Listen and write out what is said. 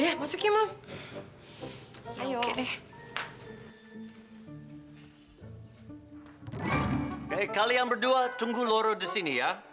hei lo bikin buat gue doang sih